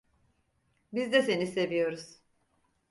Biz de seni seviyoruz.